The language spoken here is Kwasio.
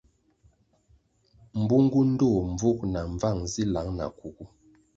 Mbungu ndtoh mbvug na mbvang zi lang na kugu.